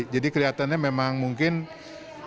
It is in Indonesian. jadi kelihatannya memang mungkin ada masalah masalah tersebut